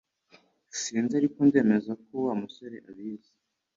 Sinzi, ariko ndemeza ko Wa musore abizi